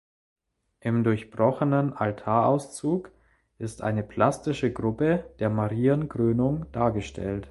Im durchbrochenen Altarauszug ist eine plastische Gruppe der Marienkrönung dargestellt.